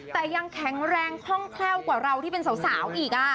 แต่ยังแข็งแรงคล่องแคล่วกว่าเราที่เป็นสาวอีก